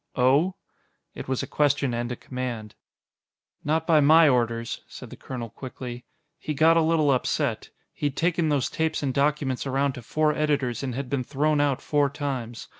"Oh?" It was a question and a command. "Not by my orders," said the colonel quickly. "He got a little upset. He'd taken those tapes and documents around to four editors and had been thrown out four times.